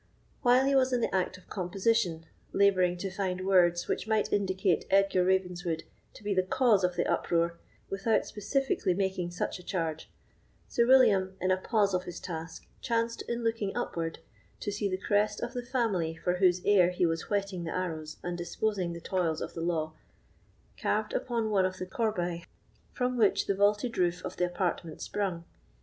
While he was in the act of composition, labouring to find words which might indicate Edgar Ravenswood to be the cause of the uproar, without specifically making such a charge, Sir William, in a pause of his task, chanced, in looking upward, to see the crest of the family for whose heir he was whetting the arrows and disposing the toils of the law carved upon one of the corbeilles from which the vaulted roof of the apartment sprung.